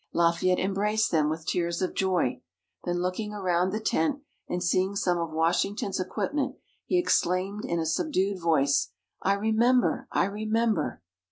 Lafayette embraced them with tears of joy. Then looking around the tent, and seeing some of Washington's equipment, he exclaimed in a subdued voice: "I remember! I remember!"